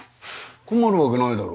困るわけないだろ。